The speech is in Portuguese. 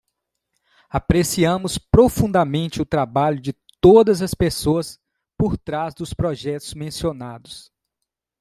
Apreciamos profundamente o trabalho de todas as pessoas por trás dos projetos mencionados.